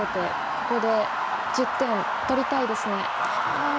ここで１０点取りたいです。